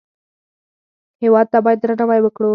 هېواد ته باید درناوی وکړو